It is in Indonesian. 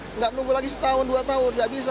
tidak menunggu lagi setahun dua tahun tidak bisa